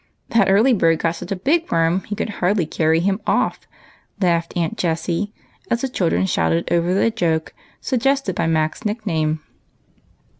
" That early bird got such a big worm he could hardly carry him off," laughed Aunt Jessie, as the children shouted over the joke suggested by Mac's nickname.